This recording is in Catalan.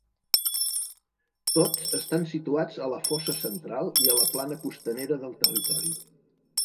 Tots estan situats a la fossa Central i a la plana costanera del territori.